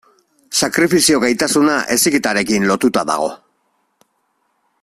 Sakrifizio gaitasuna heziketarekin lotuta dago.